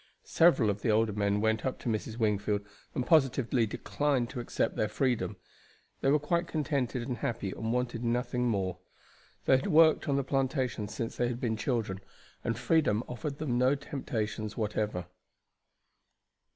Several of the older men went up to Mrs. Wingfield and positively declined to accept their freedom. They were quite contented and happy, and wanted nothing more. They had worked on the plantation since they had been children, and freedom offered them no temptations whatever.